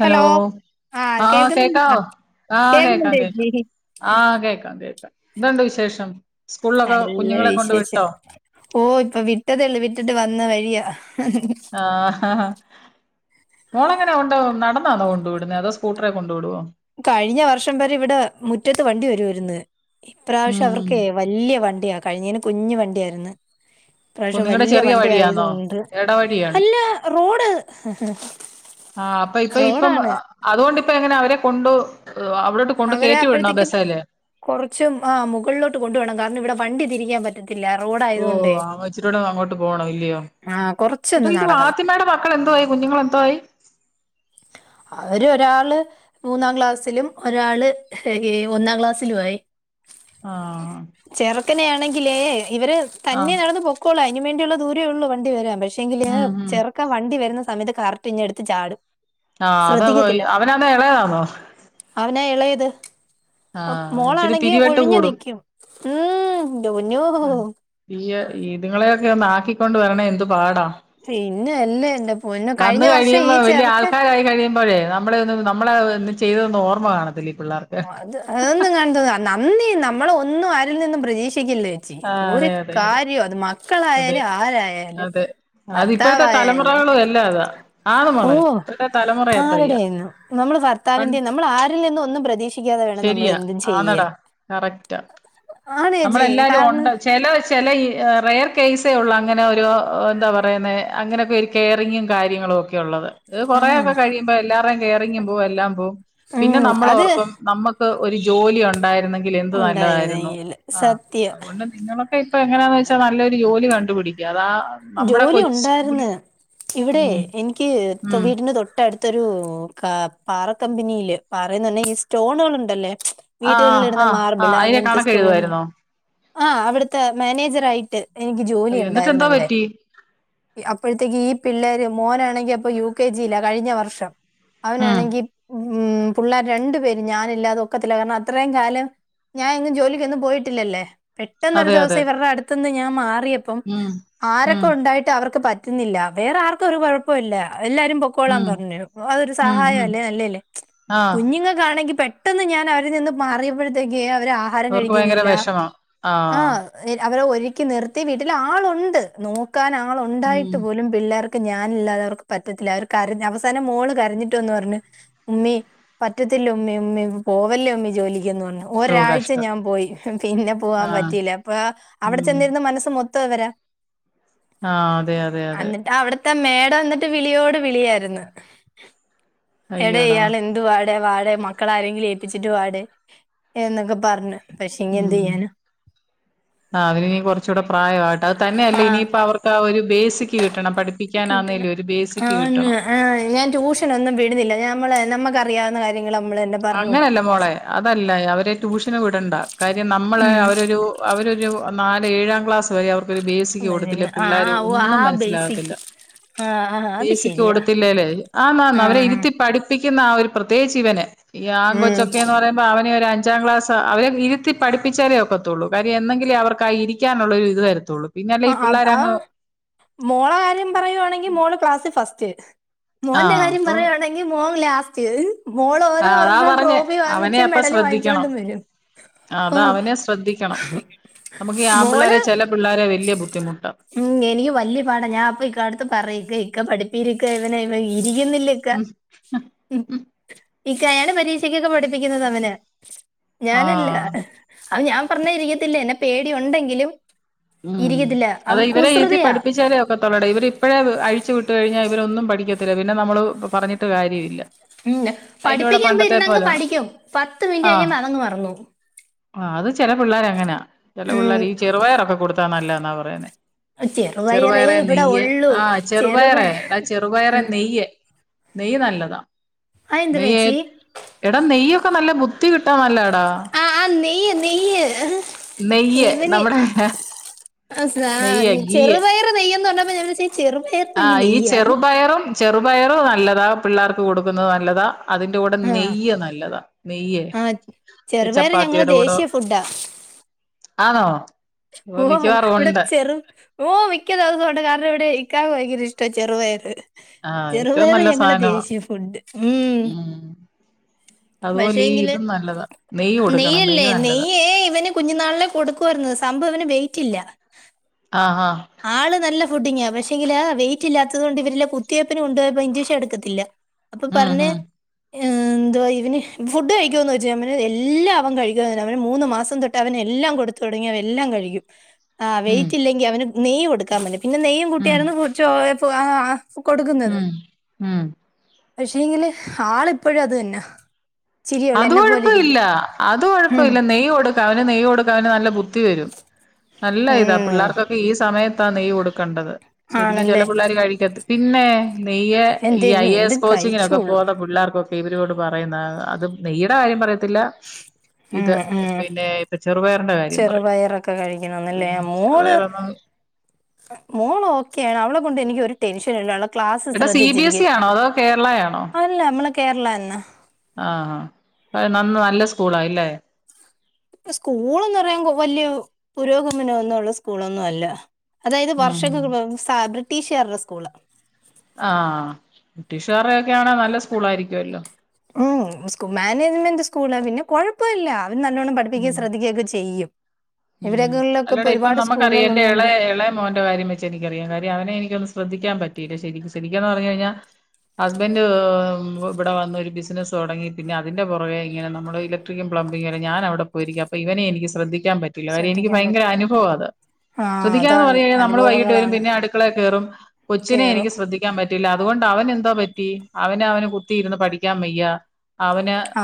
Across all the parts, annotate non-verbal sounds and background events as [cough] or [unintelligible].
Hello ആഹ് കേൾക്കുന്നുണ്ട് ആ കേക്കാവോ ആഹ് കേക്കാം കേൾക്കുന്നുണ്ട് കേക്കാം ചേച്ചി ആഹ് കേക്കാം കേക്കാം എന്ത്ണ്ട് വിശേഷം സ്കൂളിലൊക്കെ നല്ല കുഞ്ഞുങ്ങളെ കൊണ്ട് വിശേഷം വിട്ടോ ഓ ഇപ്പൊ വിട്ടതേള്ളൂ വിട്ടിട്ട് വന്ന വഴിയാ ആ ഹ ഹാ മോളെങ്ങനെ കൊണ്ട്പോവു നടന്നാണോ കൊണ്ടു വിടുന്നെ അതോ സ്കൂട്ടറെ കൊണ്ടു വിടുവോ കഴിഞ്ഞ വർഷം വരെ ഇവിടെ മുറ്റത്ത് വണ്ടി വരുവായിരുന്നു ഇപ്രാവശ്യം ഉം അവർക്ക വല്യ വണ്ടിയാ കഴിഞ്ഞേന് കുഞ്ഞ് വണ്ടിയായിരുന്നു ഓഹ് പ്രാവശ്യ നിങ്ങടെ വലിയ ചെറിയ വണ്ടി ആയത വഴിയാന്നോ കൊണ്ട് എടവഴിയാണ് അല്ല റോഡ് ആ അപ്പൊ ഇപ്പൊ ഇപ്പം റോഡാണ് അതുകൊണ്ടിപ്പ എങ്ങനെ അവരെ കൊണ്ടൊ അവരെ അപ്പോഴത്തേക്കും കൊറച്ചു ആ മുകളിലോട്ട് കൊണ്ടു വെടണം കാരണം ഇവിടെ വണ്ടി തിരിക്കാൻ പറ്റ ഓ അവ ഇച്ചിരൂടെ അങ്ങട്ട് പോണ അല്ലയോ ആ ഇപ്പൊ കൊറച്ചൊന്ന് ഇത് നടക്കണം വാത്തിമയുടെ മക്കൾ എന്തു ആയി കുഞ്ഞുങ്ങള എന്തോ ആയി അവര് ഒരാള് മൂന്നാം ക്ലാസ്സിലും ഒരാള് ഒന്നാം ക്ലാസ്സിലു ആയി ആ തന്നെയാണെങ്കിലേ ഇവര് തന്നെ നടന്നന്ന് പൊക്കളാ അതിനന് വേണ്ടിയുള്ള ദൂരേ ഉള്ളൂ വണ്ടി വരാൻ പക്ഷേ പക്ഷെങ്കില് ഉം ഉം ചെറുക്ക വണ്ടി വരുന്ന സമയത്ത് കറക്റ്റ് ഇഞ്ഞടുത്ത് ചാടും ആ അത അവ പോയി ശ്രദ്ധിക്കത്തില്ല അവനതാ ഇളയതാണോ അവനാ ഇളയത് ഇച്ചിരി മോളാണെങ്കിൽ പിരിവെട്ട് ഒഴിഞ്ഞു നിക്കും ഉം ദൂ ഈയ് ഇത്ങ്ങളെയൊക്കെ ഒന്ന് ആക്കിക്കൊണ്ട് വരണേ എന്ത് പാടാ പിന്നെ അല്ലേ എന്റെ പൊന്നോ വന്ന് കഴിഞ്ഞ വർഷം കഴിയുമ്പോ ഈ വലിയ ചെറുക്കൻ ആൾക്കാരായി കഴിയുമ്പോഴേ ന നമ്മളെ ഒ നമ്മള ചെയ്ത ഓർമ്മ കാണത്തില്ല പിള്ളേർക്ക് അത് അതൊന്നും കാണ തോ നന്ദി നമ്മള ഒന്നും അരിൽ നിന്നും പ്രതീക്ഷി [unintelligible] ച്ചി ആഹ് ഒരു അതെ അതെ അതെ കാര്യം അ അതെ മക്കളായാലും ആരായാലും അതെ അത് ഇപ്പോഴത്തെ ഭർത്താവായ തലമുറകളും എല്ലാം അതാ ആന്ന് ഓ മോളെ ഇപ്പോഴത്തെ തലമുറ അത്രയാ ആരടേയാലും നമ്മള് പൺ ഭർത്താവിന്റെ ന്നും നമ്മൾ ആരിൽ നിന്നും ഒന്നും പ്രതീക്ഷിക്കാതെ വേണം നമ്മൾ ശരിയാ എന്തും ചെയ്യാൻ ആന്നടാ കറക്റ്റാ നമ്മളെല്ലാരും ഉണ്ട് ചില ചില ഈ റയർ കേൈസേ ഉള്ള അങ്ങനെ ഒരു എന്താ പറയുന്ന അങ്ങനെയൊക്കെ ഒരു കെയറിങ്ങും കാര്യങ്ങളും ഒക്കെ ക്കള്ളത് ഇത് ആ കൊറെൊക്കെ കഴിയുമ്പോ എല്ലാാരേും കെയറിങ്ങും പോവും എല്ലാം പോവും പിന്നെ ഉം, അത് നമ്മൾോഓർക്കും നമ്മുക്ക് ഒരു ജോലി ഉണ്ടായിരുന്നെങ്കിൽ എന്ത് ഉണ്ടായിരുന്നു നല്ലതായിരുന്നു കയ്യില് ആഹ സത്യം അതുകൊണ്ട് നിങ്ങളൊക്കെ ഇപ്പൊ എങ്ങനെയാന്ന് വെച്ചാൽ നല്ലൊരു ജോലി കണ്ടുപിടിക്കുക അതാ നമ്മുടെ ജോലി കൊച്ച് ഉണ്ടായിരുന്നു ഇവിടെ ഉം എനിക്ക് ഉം വീടിറെ തൊട്ടടുത്ത് മൊരു കാ പാറ കമ്പനിയില് പാറന്ന് പറഞ്ഞാഈ സ്റ്റോണുക ഉണ്ടല്ലേ വീട്ടുകളിൽ ആഹ് ഇരുന്ന് ആഹ് മാർബിൾ ആഹ് അതിന്റെ അങ്ങനത്തെ കണക്ക് സ്റ്റോണ് എഴുതുവായിരുന്നോ ആ അവിത്തെ മേനേജർ ായിട്ട് എനിക്ക് ജോലി അയ്യോ എന്നിട്ട് ഉണ്ടായിരുന്നു എന്തോ അവിടെ പറ്റി അപ്പോഴത്തേക്ക് ഈ പിള്ളേര് മോനാണെങ്കി അപ്പൊ യു കെ ജി ല്ല കഴിഞ്ഞ വർഷം ഉം അവനാണെങ്കി ഉ പിള്ളേർ രണ്ടു പേരും ഞാനില്ലാതെ ഒക്കത്തില്ല കാരണം അത്രയും കാലം ഞാൻ ഇും ജോലിക്ക്ൊന്നന്ന് പോയിട്ടില്ലല്ലെ പെട്ടെന്ന ഒരു അതെ ദിവസം അതെ ഇവരുടെ അടുത്തന്ന് ഞാൻ മാറി അിതി യപ്പ ഉം ആരെ ഉം മ അവർക്ക് പറ്റുന്നില്ല വേറെ ആർക്കും ഒരു കുഴപ്പല്ല എല്ലാരും പൊക്കോളാൻ ഉം പറഞ്ഞു അതൊരു ഉം സഹായം ഉം അല്ലേ അല്ലേലും ആഹ് കുഞ്ഞുങ്ങൾക്കാണെങ്കി പെ പെട്ടെന്ന് ഞാൻ അവരി നിന്ന് മാറിയപ്പോഴത്തേക്ക അവര് ആഹാരം അവർക്ക് ഭയങ്കര കഴിക്കുന്നില്ല വിഷമാ ആ ആഹ് അവരെ ഒരുക്കി നിർത്തി വീട്ടിൽ ആളുണ്ട് നോക്കാൻ ഉം ആളുണ്ടായിട്ട് പോലും പിള്ളേർക്ക് ഞാനല്ലാതെ അവർക്ക് പറ്റത്തില്ല അവർ കര അവസാനം മോള് കരഞ്ഞിട്ടുന്ന് പറഞ്ഞഞ് ഉമ്മി പറ്റത്തില്ല ഉമ്മി ഉമ്മി പോവല്ലോ ഉമ്മി ജോലിക്ക് എന്ന് പറഞ്ഞു ശോ ഒരാഴ്ച കഷ്ടം ഞാൻ പോയി പിന്നെ പോവാാൻ ആഹ് പറ്റിയില്ല അപ്പൊ അവിടെ ഉം ചെന്നിരുന്ന മനസ്സ് മൊത്തം മൊത്തം അവരാ ആഹ അതെ അതെ അതെ ഇതാ മേട വന്നിട്ട് വിളിയോട് വിളിയായിരുന്നു എട അയ്യോടാ ഇയാൾ എന്തുവാ ടെ വാടെ മക്കള ആരെങ്കിലും ഏപ്പിച്ചിട്ട് വാടെ എന്നൊക്കെ പറഞ്ഞു പക്ഷെ ഇനി ഉ എന്ത് ചെയ്യാനാ ആ അതി നീ കുറച്ചൂടെ പ്രായമാവട്ടെ അത് തന്നെയല്ലേ ആ ഇനിയിപ്പോം അവർക്ക് ആ ഒരു ബേസിക്ക് കിട്ടും കിട്ടണം ആ കിട്ടണം ആ് ഞാൻ ട്യൂഷൻ ഒന്നും വിടുന്നില്ല മ്മള നമ്മക്ക് അറിയാവുന്ന കാര്യങ്ങൾ നമ്മൾ തന്നെ പറഞ്ഞു അങ്ങനെയല്ല കൊടുക്കും മോളെ അതല്ല അവരെ ട്യൂഷന് വിടണ്ട കാര്യം നമ്മള് ഉം അവരൊരു അവരൊരു നാല് ഏഴാം ക്ലാസ് വരെ അവർക്കൊരു ബേസിക്ക് അതെ കൊടുത്തില്ല പിന്നെ ആ പിള്ളേർ ഓ ഒന്നും ആ മനസ്സിലാകത്തില്ല ബേസിക്ക് ആഹ് ആഹ് അത് ബേസിക്ക് ശരിയാ കൊടുത്തില്ലേല്ലേ ആന്നാ അവരെ ആഹ് ഇരുത്തി പഠിപ്പിക്ക ക്ക് ആ ഒരു പ്രത്യേകിച്ച് ഇവന ഈ ആങ്ക ഉം കൊച്ചൊക്കെന്ന് പറയുമ്പോ അവനെ ഒരു അഞ്ചാം ക്ലാസ് അവരെ ഇരുത്തി പഠിപ്പിച്ചാലേ ഒക്കത്തുള്ളൂ കാര്യ എന്തെങ്കിലേ അവർക്ക് ഇരിക്കാനുള്ള ഒരു ഇത് വരുത്തുള്ളൂ ആ അ ആ മോളെ കാര്യം പറയുവാണെങ്കിൽ മോള് ക്ലാസ് ഫസ്റ്റ് മോന്റെ ആഹ് കാര്യം അപ്പം പറയുയാണെങ്കിൽ മോൻ ലസ് മോൾ ഓരോ അതാ വർഷവും പറഞ്ഞേ ട്രോഫി വാങ്ങിച്ചും മെഡല് വാങ്ങിച്ചോൊണ്ടും വരും അത ഓ അവനെ ശ്രദ്ധിക്കണം നമുക്ക് ഈ ആ മോള് പിള്ളേരെ ചെില പിള്ളേരെ വല്ിയ ബുദ്ധി ഉം എനിക്ക് വല്യ പാടാ ഞാൻ അപ്പൊ ഇക്ക അടുത്ത് പറയക്ക ഇക്ക പഠിപ്പിരിക്ക ഇവന ഇ ചെയ്യുന്നില്ലക്ക ഉം ഇക്കയാണ് പരീക്ഷക്കൊക്കെ പഠിപ്പിക്കുന്നത് അവന് ഞാനല്ല ആഹ് അത് ഞാൻ പറഞ്ഞ ഇരിക്കത്തില്ല എന്നെ പേടി ഉണ്ടെങ്കിലും ഇരിക്കത്തില്ല അതെ അവൻ ഇവരെ ഇതി കുസൃതിയാ പഠിിച്ചാലേ ഒക്കെ തൊള്ളട ഇവരി ഇപ്പത്തന്നെ ഇട്ട കഴിഞ്ഞാൽ ഇവരൊന്നും പഠിക്കത്തില്ല പിന്നെ നമ്മള് പറഞ്ഞിട്ട് കാര്യമില്ല ഉല്ല അയിലൂടെ പഠിപ്പിക്കാൻ പണ്ടത്തെ പോരുന്നങ്ങ് പോലാണ് പഠിക്കോ പത്ത് മിനിറ്റ് കഴിയഞ്ഞ അതങ്ങ് മറന്നുപോകും ആ അത് ചില പിള്ളേർ അങ്ങനെയാ ചില ഉം പിള്ളേർ ഈ ചെറുപയർൊക്കെ കൊടുത്താ നല്ല എന്നാ പറയുന്നേ ചെറുപയറേ ചെറുപയറെ ഇവിടെ നെയ്യ് ഉള്ളൂ ആഹ് ചെറുപയ ചെറുപയറെ എടാ ചെറുപയറെ ഉം. നെയ്യ് നെയ്യ് നല്ലതാ ആ എന്തിനാ നെയ്യ ചേച്ചി ഇടാ നെയ്യൊക്കെ നല്ല ബുദ്ധി കിട്ടാ നല്ല ആഹ ആ നെയ്യ് നെയ്യ് നെയ്യ് നമ്മുടെ അലാ നെയ്യ് ചെറുപയറ് നെയ്യ് എന്ന് പറഞ്ഞപ്പോ ഞാൻ വിചാരിച്ചു ചെറുപയർ ആ കുഞ്ഞു ഈ നെയ്യാ ചെറുപയറും ചെറു പയറ് നല്ലതാ പിള്ളേർക്ക് കൊടുക്കുന്നത് നല്ലതാ അതിന്റെ കൂടെ ആ നെയ്യ് നല്ലതാ നെയ്യേ ആ ചെറുപയർ ഞങ്ങളെ ചപ്പാത്തിയുടെ കൂടെ ദേശീയ ഫുഡാ ആണോ ഓ മിക്കവാറും ഇവിടെ ഉണ്ട് ചെറു ഓ മിക്കത സോ കാരണം ഇവിടെ ഇക്കാ വൈകി ഈ ചെറുപയറ് ആഹ് ഏറ്റവും ചെറുപയർ നല്ല ഞങ്ങളെ സാധനവാ ദേശീയ ഫുഡ് ഉം ഉ പക്ഷേങ്കില് കൊടുക്കണം നെയ്യല്ലേ നെയ്യ് നല്ലതാ നെയ്യേ ഇവന് കുഞ്ഞുനാളിലെ കൊടുക്കുമായിരുന്നു സംഭ അവന് വെയ്റ്റില്ല ആഹ് ആഹ് ആള് നല്ല ഫുഡിങ്ങ പക്ഷെങ്കില് ആ വെയ്റ്റ് ഇല്ലാത്തത് കൊണ്ട് ഇവരില് കുത്തിവയ്പ്പിന് കൊണ്ട് പോയപ്പോൾ ഇൻജെക്ഷൻ എടുക്കത്തില്ല അപ്പൊ പറഞ്ഞേ ഉ എന്തുവാ ഇവന് ഫുഡ് കഴിക്കുവോന്ന് ചോദിച്ചു ഞാൻ പറഞ്ഞു എല്ലാം അവൻ കഴിക്കുവൂന്ന് പറഞ്ഞു അവന് മൂന്ന് മാസം തൊട്ട് അവന് എല്ലാം കൊടുത്ത് തുടങ്ങിയതാ എല്ലാം കഴിക്കും ആ ഉം വെയിറ്റില്ലെങ്കിൽ അവന് നെയ്യ് കൊടുക്കാൻ പറഞ്ഞു പിന്നെ നെയ്യും ഉം ഉം കൂട്ടിയായിരുന്നു ഫു ചോറ് ആ ആ കൊടുക്കുന്നത് ഉം ഉം പക്ഷേങ്കില് ആളിപ്പോഴും അത് തന്നെ അത് കൊഴപ്പവില്ല അത് ഉം കൊഴപ്പവില്ല നെയ്യ് കൊടുക്കാം അവന് നെയ്യ് കൊടുത്താ അവന് നല്ല ബുദ്ധി വരും നല്ല ഇതാ ഉം പിള്ളേർക്കൊക്കെ ഈ സമയ ത്താ നെയ്യ് കൊടുക്കേണ്ടത് ശരിക്കും ചില ആണല്ലേ പിള്ളേർ കഴിക്കത്തി പിന്നേ നെയ്യ് ഇവൻ ഈ ഐ എന്ത് എ എസ് എന്തും കോച്ചിങ്ങിനൊക്കെ കഴിച്ചോളും പോകുന്ന പിള്ളേർക്കൊക്കെ ഇവരോട് പറയുന്നാ അത് നെയ്യുടെ കാര്യം പറയത്തില്ല ഉം ഇത് ഉം പിന്നെ ഇപ്പൊ ചെറുപയറിന്റെ കാര്യം പറയും ചെറുപയറൊക്കെ കഴിക്കണംന്നല്ലേ പിന്നെ മോള് ചെറുപയറൊന്നും മോള് ഓക്കെയാണ് അവളെ കൊണ്ട് എനിക്ക് ഒരു ടെൻഷനും ഇല്ല ക്ലാസ്സ് എടാ സി ബി എസ് ശ്രദ്ധിച്ചിരിക്ക് ഇ ആണോ അതോ അല്ല നമ്മള് കേരള തന്നെ ആ ആ അത് നന്ന നല്ല സ്കൂളാ അല്ലേ സ്കൂളെന്ന് പറയുമ്പോ വല്ല്യ പുരോഗമനം ഒന്നുമുള്ള സ്കൂളൊന്നും അല്ല അതായത് ഉം വർഷങ്ങൾക്ക് മുൻപുള്ള സാധാരണ ബ്രിട്ടീഷുകാരുടെ സ്കൂൾ [unintelligible] ഒക്കെയാണെ നല്ല സ്കൂളായിരിക്കുവല്ലോ ഉം സ്കൂ മാനേജ്മെന്റ് സ്കൂളാ പിന്നെ കൊഴപ്പവില്ല അവര് നല്ലോണ്ണം പഠിപ്പിക്കുകയും ഉം ശ്രദ്ധിക്കുകയുമൊക്കെ ചെയ്യും ഉം ഇവിടെങ്ങളിലൊക്കെ അല്ലാട ഇപ്പൊ ഒരുപാട് നമുക്കറിയാം സ്കൂളുകൾ എന്റെ ഉള്ളതുകൊണ്ട് ഇളയ ഇളയ മോന്റെ കാര്യം വെച്ച് എനിക്കറിയാം കാര്യം അവനെ എനിക്കൊന്ന് ശ്രദ്ധി ക്കാൻ പറ്റിയില്ല ശരിക്ക് ശരിക്കെന്ന് പറഞ്ഞു കഴിഞ്ഞാൽ ഹസ്ബന്റ് ഇവിടെ വന്നൊരു ബിസിനസ് തുടങ്ങി പിന്നെ അതിന്റെ പുറകെ ഇങ്ങനെ നമ്മള് ഇലക്ട്രിക് പ്ലംബിങ്ങ് വരെ ഞാനവിടെ പോയിരിക്കും അപ്പൊ ഇവനെ എനിക്ക് ശ്രദ്ധിക്കാൻ പറ്റിയില്ല കാര്യം എനിക്ക് ശ്രദ്ധിക്കാൻ ഭയങ്കര പറ്റില്ല അനുഭവമാ അത് ആ ശ്രദ്ധിക്കാന്ന് അതാണ് പറഞ്ഞ് കഴിഞ്ഞാ നമ്മള് വൈകിട്ട് വരും അനുഭവങ്ങളാണ് പിന്നെ അടുക്കളെ കയറും കൊച്ചിനെ കേറും എനിക്ക് ശ്രദ്ധിക്കാൻ പ റ്റില്ല അതുകൊണ്ട് അവന് എന്താ പറ്റി അവന് അവന് കുത്തിയിരുന്ന് പഠിക്കാൻ വയ്യ അവന് ആ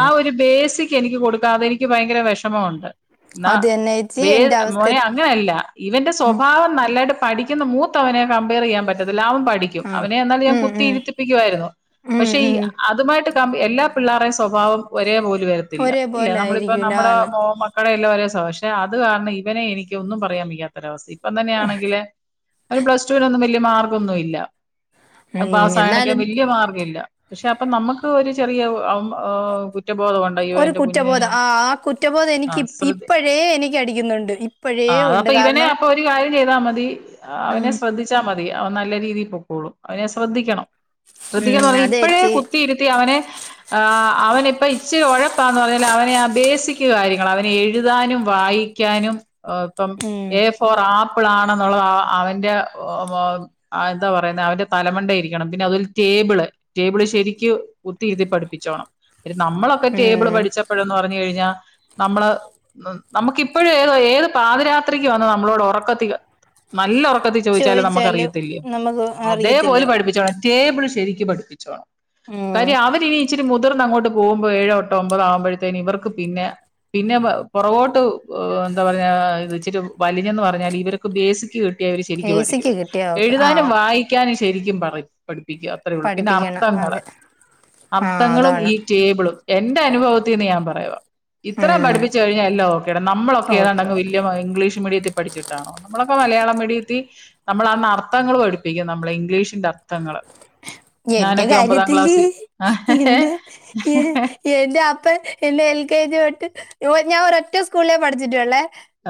ആ ഒരു ബേസിക് എനിക്ക് കൊടുക്കാം അതെനിക്ക് ഭയങ്കര വിഷമമുണ്ട് എന്നാ അത് തന്നെ ചേച്ചി ബേ എന്റെ അവസ്ഥ മോനെ അങ്ങനെയല്ല ഇവന്റെ ഉം സ്വഭാവം നല്ലായിട്ട് പഠിക്കുന്ന മൂത്തവനെ കമ്പയർ ചെയ്യാൻ പറ്റത്തില്ല അവൻ പഠിക്കും ആഹ് അവനെ എന്നാ ഞാൻ ഉം ഉം കുത്തിയിരുത്തിപ്പിക്കുമായിരുന്നു ഉം പക്ഷെ ഉം അതുമായിട്ട് കമ്പയ എല്ലാ പിള്ളേരുടെയും സ്വഭാവം ഒരേ പോലെ വരത്തില്ല ഒരേ ഇല്ലേ പോലെ നമ്മളിപ്പം ആയിരിക്കൂല നമ്മുടെ എന്ന് [unintelligible] [unintelligible] അത് കാരണം ഇവനെ എനിക്ക് ഒന്നും പറയാൻ വയ്യാത്തൊരവസ്ഥയായി ഇപ്പം തന്നെയാണെങ്കില് അവന് പ്ലസ്ടുവിനൊന്നും വലിയ മാർക്ക് ഒന്നുമില്ല അവൻ ഉം പാസായണൊക്ക എന്നാലും വല്ല്യ മാർക്കില്ല പക്ഷെ അപ്പൊ നമുക്ക് ഒരു ചെറിയ ഓ കുറ്റബോധം ഉണ്ടായി ഇയ്യോ ഒരു എന്റെ കുഞ്ഞിനെ കുറ്റബോധം ഞാൻ ആ ആ കുറ്റബോധം ആ എനിക്ക് ഇ ശ്രദ്ധ ഇപ്പഴേ എനിക്ക് അടിക്കുന്നുണ്ട് ഇപ്പോഴേ ആ ഉണ്ട് അപ്പൊ ഇവനെ കാരണം അപ്പൊ ഒരു കാര്യം ചെയ്താൽ മതി അവനെ ഉം ശ്രദ്ധിച്ചാൽ മതി അവൻ നല്ല രീതിയിൽ പൊക്കോളും അവനെ ശ്രദ്ധിക്കണം ഉം ശ്രദ്ധിക്കാന്ന് പറഞ്ഞ് ഇപ്പഴേ അതേച്ചി കുത്തിയിരുത്തി അവനെ ആ അവനിപ്പ ഇച്ചിരി ഉഴപ്പാന്ന് പറഞ്ഞാലും അവനെ ആ ബേസിക് കാര്യ ങ്ങള് അവന് എഴുതാനും വായിക്കാനും ഇപ്പം ഉം എ ഫോർ ആ പ്പിളാണെന്നുള്ളത് അവ അവന്റെ ഒ ഒ എന്താ പറയുന്നെ അവന്റെ തലമണ്ടെയിരിക്കണം പിന്നെ അതൊരു ടേ ബിള് ടേബിള് ശരിക്ക് കുത്തി ഇരുത്തി പഠിപ്പിച്ചോണം. പിന്നെ നമ്മളൊക്കെ ടേബിള് ഉം പഠിച്ചപ്പോഴന്ന് പറഞ്ഞു കഴിഞ്ഞാ നമ്മള് നമുക്കിപ്പോഴും ഏതോ ഏത് പാതിരാത്രിക്ക് വന്ന് നമ്മളോട് ഉറക്കത്തി നല്ല ഉറക്കത്തിൽ ചോദിച്ചാലും ചോയിച്ചാലും നമുക്കറിയത്തില്ലേ നമുക്ക് അറിയത്തില്ല അതേപോലെ പഠിപ്പിച്ചോണം ടേബിള് ശരിക്ക് പഠിപ്പിച്ചോണം. ഉം കാര്യം അവരിനി ഇച്ചിരി മുതിർന്ന് അങ്ങോട്ട് പോകുമ്പോൾ ഏഴോ എട്ടോ ഒമ്പതോ ആകുമ്പോഴത്തേന് ഇവർക്ക് പിന്നെ പിന്നെ പ പുറകോട്ട് എന്താ പറയാ വെച്ചിട്ട് വലിഞ്ഞന്ന് പറഞ്ഞാൽ ഇവർക്ക് ബേസിക് കി ട്ടിയാ അവര് എ ശരിക്കും പഠിക്കും സിക്ക് കിട്ടിയ ഓക്കെ ആ എഴുതാനും വായിക്കാനും ശരിക്കും പറയും പഠിക്കും. പിന്നെ അത്രേള്ളൂ പിന്നെ പഠിപ്പിക്കണം അർത്ഥങ്ങള് അതെ ആ അർത്ഥങ്ങളും അതാണ് ഈ ടേബിളും എന്റെ അനുഭവത്തിൽന്ന് ഞാൻ പറയുവാ ഇത്രേം ഉം പഠിപ്പിച്ച് കഴിഞ്ഞാ എല്ലാ ഓക്കേട നമ്മൊളൊക്കെ ഓക്കെ ഏതാണ്ടെങ്ങ് മ ഓ വല്യ ഇംഗ്ലീഷ് മീഡിയത്തി പഠിച്ചിട്ടാണോ നമ്മളൊക്കെ മലയാളം മീഡിയത്തി നമ്മളന്ന് അർത്ഥങ്ങൾ പഠിപ്പിക്കും നമ്മള് ഇംഗ്ലീഷിന്റെ അർത്ഥങ്ങള് എന്റെ കാര്യത്തില് ക്ലാസ്സിൽ എന്റെ എ എന്റെ അപ്പൻ എന്നെ എൽ ൽ കെ ജി തൊട്ട് യൊ ഞാൻ ഒരൊറ്റ സ്കൂളിലേ പഠിച്ചിട്ടുള്ളേ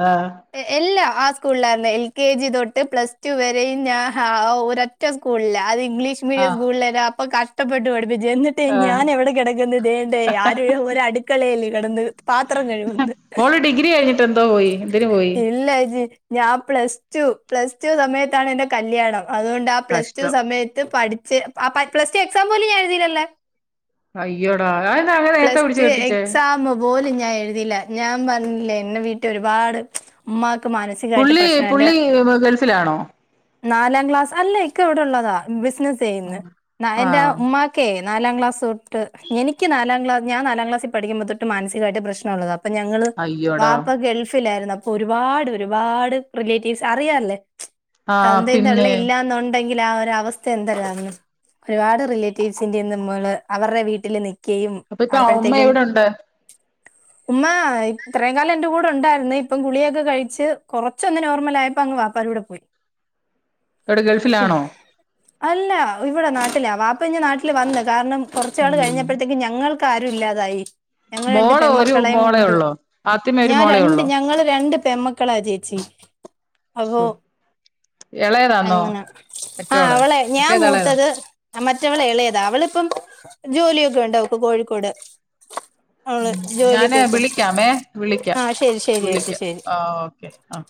ആഹ് എ എല്ലാ ആ സ് സ്കൂളിലാരുന്നു എൽ കെ ജി തൊട്ട് പ്ലസ് ടു വരെയും ഞാൻ ഹ ഒരൊറ്റ സ്കൂളില അത് ഇംഗ്ലീഷ് ആഹ് സ്കൂളില എന്റെ അപ്പൻ കഷ്ടപ്പെട്ട് പഠിപ്പി പ്പിച്ച് എന്നിട്ട് ആഹ് ഞാൻ എവിടെ കിടക്കന്ന് ദേണ്ടേ ആരെടേ അടുക്കളേല് കിടന്ന് പാത്രം കഴിവുന്നു മോള് ഡിഗ്രി കഴിഞ്ഞിട്ട് എന്തോ പോയി എന്തിന് പോയി ഇല്ല ജി ഞാൻ പ്ലസ് ടു പ്ലസ് ടു സമയത്താണ് എന്റെ കല്യാണം അതുകൊണ്ട് ആ പ്ലസ് ടു കഷ്ടം സമയത്ത് പഠി ച്ച് അ പ്ലസ് ടു എക്സാം പോലും ഞാൻ എഴുതിയില്ലല്ലോ. അയ്യോടാ അതെന്താ അങ്ങനെ നേരത്തെ പ്ലസ് പിടിച്ച് ടു കെട്ടിച്ചേ എക്സാമ് പോലും ഞ ഞാൻ എഴുതില്ല ഞാൻ പറഞ്ഞില്ലേ എന്റെ വീട്ടിൽ ഒരുപാട് ഉമ്മാ ക്ക് മാനസികമായിട്ട് പുള്ളി പ്രശ്നം ഉണ്ട്. പുള്ളി ഗൾഫിലാണോ നാലാം ക്ലാസ് അല്ല ഇക്ക ഇവിടെള്ളതാ ബിസിനസ്സ് ചെയ്യുന്നു എന്റെ ആഹ് ഉമ്മാക്കെ നാലാം ക്ലാസ് തൊട്ട് എനിക്ക് നാലാംക്ലാ ഞാൻ നാലാം ക്ലാസ്സിൽ പഠുമ്പോ തൊട്ട് മാനസികമായിട്ട് പ്രശ്നം ഉള്ളതാ അപ്പൊ ഞങ്ങള് അയ്യോടാ വാപ്പ ഗൾഫിലായിരുന്നു അപ്പൊ ഒരുപാട് ഒരുപാട് റിലേറ്റീവ്സ് അറിയാറല്ലേ ആഹ് തന്തയും പിന്നെ തള്ളയും ഇല്ലാന്ന് ഒണ് ഉണ്ടെങ്കിൽ ആ ഒരു അവസ്ഥ എന്തരാന്ന് ഒരുപാട് റിലേറ്റീവ്സിന്റെ നമ്മള് അവർടെ വീട്ടില് നിൽ അപ്പൊ ഇപ്പ ഉമ്മ എവിടെണ്ട് ഉമ്മ ഇത്രയും കാലം എന്റെ കൂടെ ഉണ്ടായിരുന്നു ഇപ്പം ഗുളിയൊക്കെ കഴിച്ച് കുറച്ചൊന്ന് നോർമൽ ആയപ്പോ അങ്ങ് വാപ്പാൻ കൂടെ പോയി. എവിടെ ഗൾഫിലാണോ അല്ല ഇവിടെ നാട്ടിലാ പാപ്പ ഇഞ്ഞ് നാട്ടില് വന്ന് കാരണം കുറച്ച് നാൾ ഉം കഴിഞ്ഞപ്പോഴത്തേക്കും ഞങ്ങൾക്ക് ആരും ഇല്ലാതായി ഞങ്ങള് രണ്ട് മോള് ഒരു പെൺമക്കളേയും മോളെ കൊണ്ട് ഉള്ളോ ആദ്യമേ ഒരു ഞാൻ മോളെ രണ്ട് ഉള്ളോ ഞങ്ങള് രണ്ട് പെമ്മക്കളാ ചേച്ചി അപ്പോ എളയതാന്നോ മറ്റോള് മറ്റേതെള ത്തത് മറ്റവള് എളയതാ അവള് ഇപ്പം ജോലിയൊക്കെ ഉണ്ടവക്ക് കോഴിക്കോട് അവള് ഉം ഞാന് ജോലിക്ക് ക്കൊക്കെ വിളിക്കാമേ വിളിക്കാം ആ ശരി ശരി ചേച്ചി വിളിക്കാം ശരി ആഹ് ഓക്കെ ആഹ്